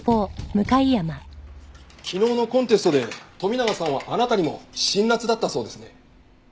昨日のコンテストで富永さんはあなたにも辛辣だったそうですね。